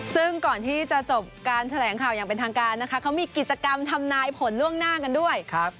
ซึ่งก่อนที่จะจบการแถลงข่าวอย่างเป็นทางการนะครับ